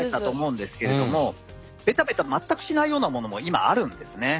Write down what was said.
ベタベタ全くしないようなものも今あるんですね。